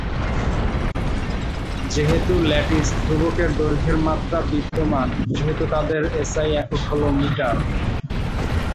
যেহেতু ল্যাটিস ধ্রুবকের দৈর্ঘ্যের মাত্রা বিদ্যমান সেহেতু তাদের এসআই একক হলো মিটার।